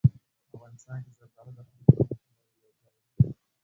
افغانستان کې زردالو د خلکو د خوښې وړ یو ځای دی.